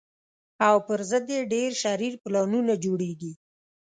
او پر ضد یې ډېر شرير پلانونه جوړېږي